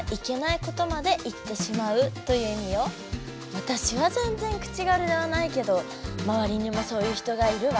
わたしはぜんぜん口軽ではないけどまわりにもそういう人がいるわ。